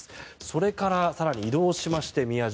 それから更に移動しまして宮島、